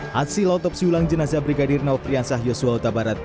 hasil otopsi ulang jenazah brigadir naufriansah yosua huta barat